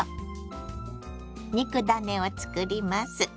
肉ダネを作ります。